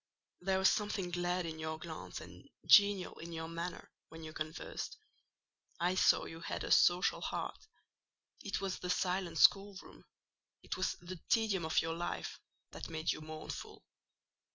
There was something glad in your glance, and genial in your manner, when you conversed: I saw you had a social heart; it was the silent schoolroom—it was the tedium of your life—that made you mournful.